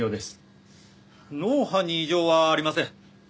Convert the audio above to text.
脳波に異常はありません。